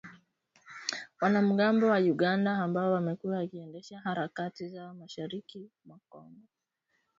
Wanamgambo wa Uganda ambao wamekuwa wakiendesha harakati zao mashariki mwa Kongo, tangu miaka ya elfu mbili ishirini na kuua raia